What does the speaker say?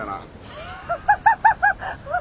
ハハハハハ！